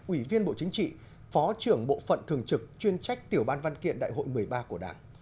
ủy viên bộ chính trị phó trưởng bộ phận thường trực chuyên trách tiểu ban văn kiện đại hội một mươi ba của đảng